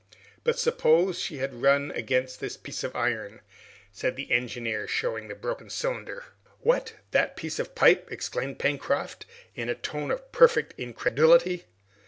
"But suppose she had run against this piece of iron?" said the engineer, showing the broken cylinder. "What, that bit of pipe!" exclaimed Pencroft in a tone of perfect incredulity.